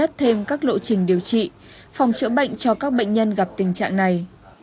đã đặt thêm các lộ trình điều trị phòng chữa bệnh cho các bệnh nhân gặp tình trạng này